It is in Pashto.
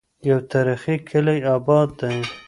يو تاريخي کلے اباد دی